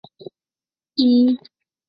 新头足纲。